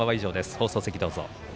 放送席どうぞ。